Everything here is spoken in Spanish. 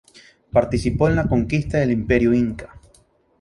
Participó en la conquista del Imperio Inca.